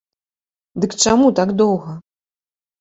Дык чаму так доўга?